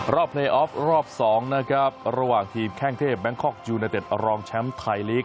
เพลย์ออฟรอบ๒นะครับระหว่างทีมแข้งเทพแบงคอกยูเนเต็ดรองแชมป์ไทยลีก